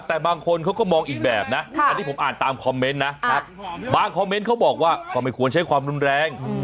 แต่บางคนเขาก็มองอีกแบบนะอันนี้ผมอ่านตามคอมเมนต์นะบางคอมเมนต์เขาบอกว่าก็ไม่ควรใช้ความรุนแรง